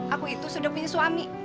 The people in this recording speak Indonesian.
aku itu sudah punya suami